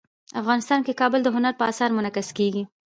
افغانستان کې کابل د هنر په اثار کې منعکس کېږي.